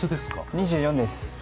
２４です。